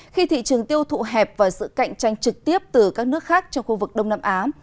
khi thị trường tiêu thụ hẹp và sự cạnh tranh trực tiếp từ các nước khác trong khu vực đông nam á